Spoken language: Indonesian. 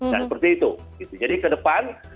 nah seperti itu jadi ke depan